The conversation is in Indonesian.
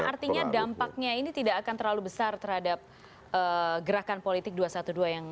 artinya dampaknya ini tidak akan terlalu besar terhadap gerakan politik dua ratus dua belas yang